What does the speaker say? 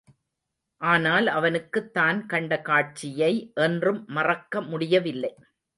ஆனால் அவனுக்குத் தான் கண்ட காட்சியை என்றும் மறக்க முடியவில்லை.